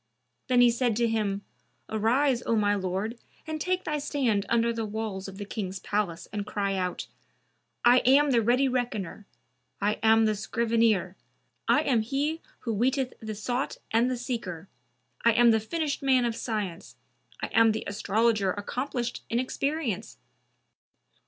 Then he said to him, "Arise, O my lord, and take thy stand under the walls of the King's palace and cry out, 'I am the ready Reckoner; I am the Scrivener; I am he who weeteth the Sought and the Seeker; I am the finished man of Science; I am the Astrologer accomplished in experience!